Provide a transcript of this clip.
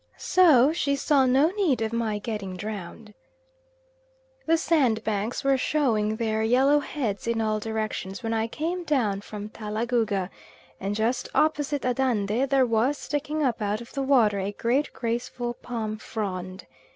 So she saw no need of my getting drowned. The sandbanks were showing their yellow heads in all directions when I came down from Talagouga, and just opposite Andande there was sticking up out of the water a great, graceful, palm frond.